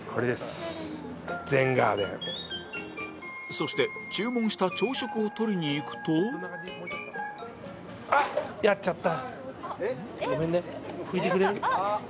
そして注文した朝食を取りに行くとしまった。